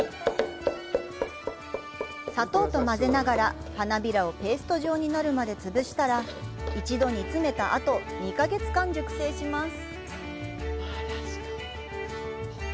砂糖と混ぜながら花びらをペースト状になるまで潰したら、一度、煮詰めた後、２か月間、熟成します。